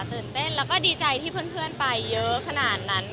ตื่นเต้นแล้วก็ดีใจที่เพื่อนไปเยอะขนาดนั้น